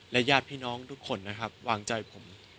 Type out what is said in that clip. ญาติพี่น้องทุกคนนะครับวางใจผม